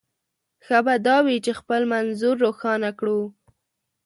ښه به دا وي چې خپل منظور روښانه کړو.